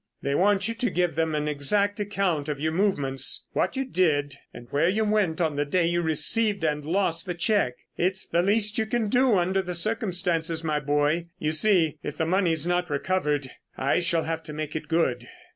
They want you to give them an exact account of your movements, what you did and where you went on the day you received and lost the cheque. It's the least you can do under the circumstances, my boy. You see, if the money's not recovered, I shall have to make it good."